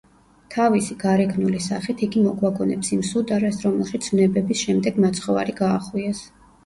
თავისი გარეგნული სახით იგი მოგვაგონებს იმ სუდარას, რომელშიც ვნებების შემდეგ მაცხოვარი გაახვიეს.